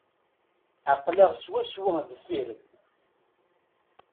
Aql-aɣ swaswa deffir-m.